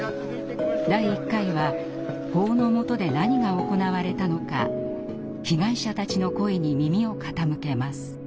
第１回は法の下で何が行われたのか被害者たちの声に耳を傾けます。